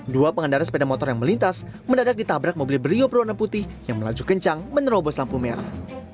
dua pengendara sepeda motor yang melintas mendadak ditabrak mobil beriup berwarna putih yang melaju kencang menerobos lampu merah